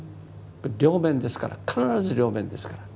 両面ですから必ず両面ですから。